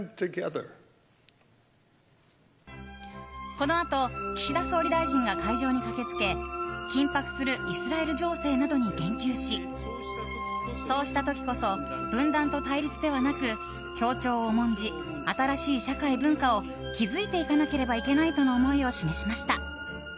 このあと、岸田総理大臣が会場に駆け付け緊迫するイスラエル情勢などに言及しそうした時こそ分断と対立ではなく協調を重んじ新しい社会・文化を築いていかなければいけないとの思いを示しました。